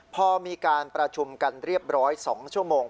พอมีการประชุมกันเรียบร้อย๒ชั่วโมง